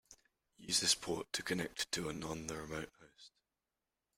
Use this port to connect to on the remote host.